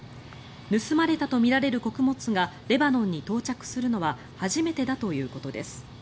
盗まれたとみられる穀物がレバノンに到着するのは初めてだということです。